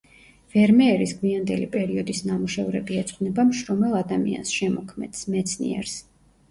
ვერმეერის გვიანდელი პერიოდის ნამუშევრები ეძღვნება მშრომელ ადამიანს, შემოქმედს, მეცნიერს.